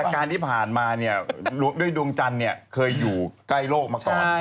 การที่ผ่านมาเนี่ยด้วยดวงจันทร์เคยอยู่ใกล้โลกมาก่อน